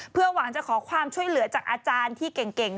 เพื่อหวังจะขอความช่วยเหลือจากอาจารย์ที่เก่ง